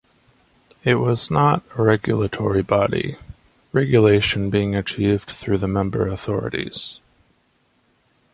It was not a regulatory body, regulation being achieved through the member authorities.